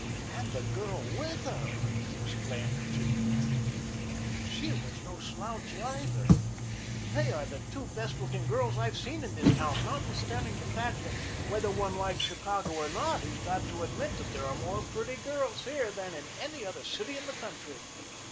"And the girl with her!" exclaimed Jimmy mentally. "She was no slouch either. They are the two best looking girls I have seen in this town, notwithstanding the fact that whether one likes Chicago or not he's got to admit that there are more pretty girls here than in any other city in the country.